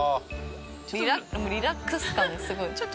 リラックス感がすごい。